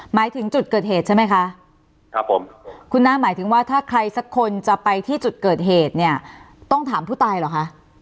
หมายถึงจุดเกิดเหตุใช่ไหมคะคุณน้าหมายถึงว่าถ้าใครมาที่จุดเกิดเหตุต้องถามผู้ตายเหรอคะ